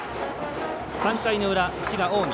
３回の裏、滋賀、近江。